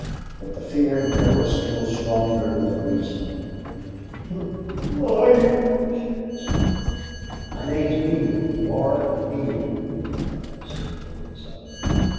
But the fear in her was still stronger than reason. "Who are you?" she asked. "My name's Neale Warren Neale," he replied, sitting down beside her.